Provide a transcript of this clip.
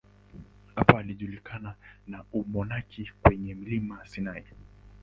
Hapo alijiunga na umonaki kwenye mlima Sinai.